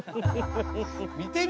見てみ！